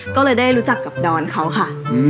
ก็เลยได้รู้จักกับดอนเขาค่ะ